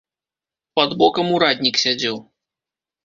Пад бокам ураднік сядзеў.